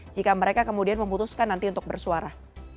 jika mereka kemudian memutuskan nanti untuk bersuara